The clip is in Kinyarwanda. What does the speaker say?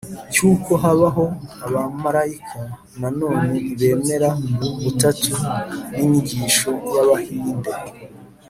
cy’uko habaho abamarayika nanone ntibemera ubutatu n’inyigisho y’abahinde